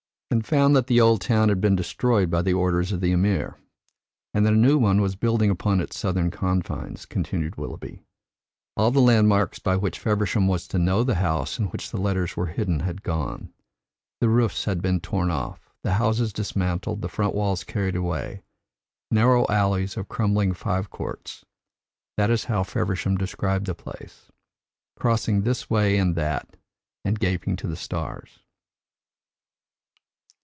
"And found that the old town had been destroyed by the orders of the Emir, and that a new one was building upon its southern confines," continued Willoughby. "All the landmarks by which Feversham was to know the house in which the letters were hidden had gone. The roofs had been torn off, the houses dismantled, the front walls carried away. Narrow alleys of crumbling fives courts that was how Feversham described the place crossing this way and that and gaping to the stars.